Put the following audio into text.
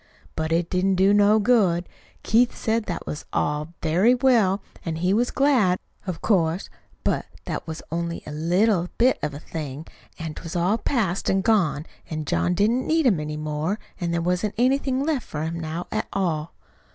"But it didn't do no good. Keith said that was all very well, an' he was glad, of course; but that was only a little bit of a thing, an' 't was all past an' gone, an' John didn't need 'em any more, an' there wasn't anything left for him now at all.